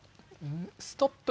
ストップ！